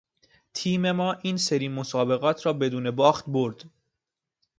تیم ما این سری مسابقات را بدون باخت برد.